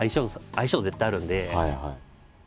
相性絶対あるんで。